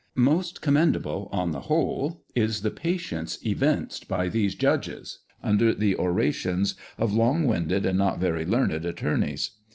Most commendable on the whole, is the patience evinced by these judges under the orations of long winded and not very learned attorneys.